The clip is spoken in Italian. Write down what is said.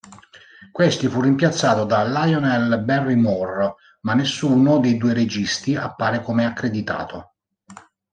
Questi fu rimpiazzato da Lionel Barrymore ma nessuno dei due registi appare come accreditato.